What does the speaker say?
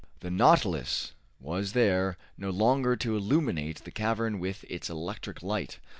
The "Nautilus" was there no longer to illuminate the cavern with its electric light.